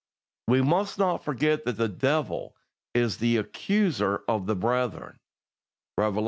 We must not forget that the Devil is "the accuser of the brethren" (Rev. xii.